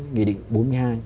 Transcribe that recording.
nghị định bốn mươi hai